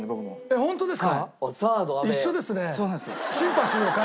ホントですか。